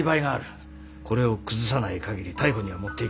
これを崩さない限り逮捕には持っていけない。